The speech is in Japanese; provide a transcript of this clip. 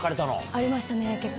ありましたね、結構。